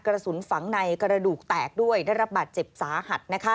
กระสุนฝังในกระดูกแตกด้วยได้รับบาดเจ็บสาหัสนะคะ